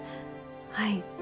はい。